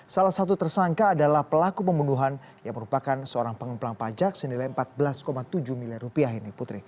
salah satu tersangka adalah pelaku pembunuhan yang merupakan seorang pengemplang pajak senilai empat belas tujuh miliar rupiah ini putri